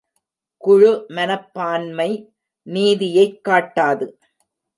குழு மனப்பான்மை நீதியைக் காட்டாது.